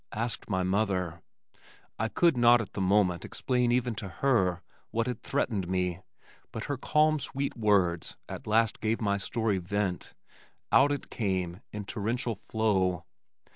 asked my mother. I could not at the moment explain even to her what had threatened me, but her calm sweet words at last gave my story vent. Out it came in torrential flow.